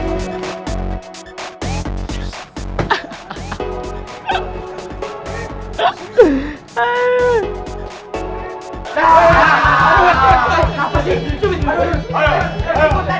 nih lo liat ada apa nih tuh